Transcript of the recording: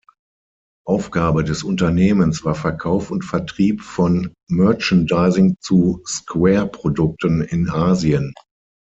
Aufgabe des Unternehmens war Verkauf und Vertrieb von Merchandising zu Square-Produkten in Asien.